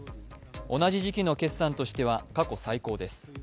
同じ時期の決算としては過去最高です。